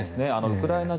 ウクライナ